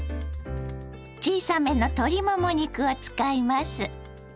小さめの鶏もも肉を使います。